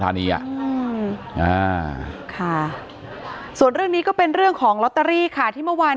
อ๋อเจ้าสีสุข่าวของสิ้นพอได้ด้วย